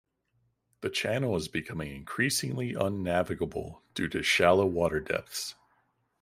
The channel is becoming increasingly unnavigable due to shallow water depths.